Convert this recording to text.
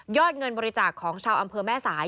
เงินบริจาคของชาวอำเภอแม่สาย